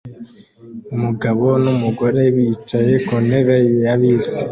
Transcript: Umugabo n'umugore bicaye ku ntebe ya bisi